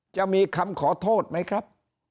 จะมีคำขอโทษไหมครับ